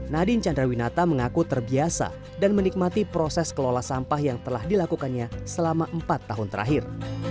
nadine chandrawinata mengaku terbiasa dan menikmati proses kelola sampah yang telah dilakukannya selama empat tahun terakhir